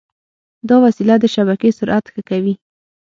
دا وسیله د شبکې سرعت ښه کوي.